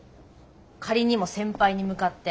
仮にも先輩に向かって。